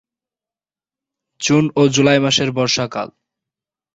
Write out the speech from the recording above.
June ও July মাসে বর্ষাকাল।